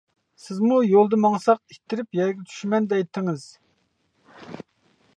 سىزمۇ يولدا ماڭساق ئىتتىرىپ يەرگە چۈشىمەن دەيتتىڭىز.